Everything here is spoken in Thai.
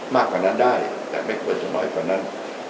มากกว่านั้นได้แต่ไม่ควรจะน้อยกว่านั้น